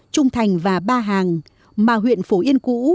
trung thành và ba hàng mà huyện phổ yên cũ